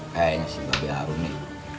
kayaknya si bagi harun nih